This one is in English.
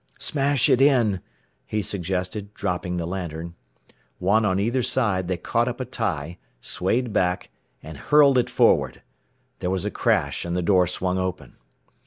"Smash it in," he suggested, dropping the lantern. One on either side they caught up a tie, swayed back, and hurled it forward. There was a crash, and the door swung open.